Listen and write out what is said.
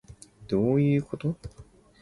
どういうこと